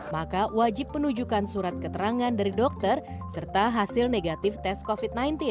maka wajib menunjukkan surat keterangan dari dokter serta hasil negatif tes covid sembilan belas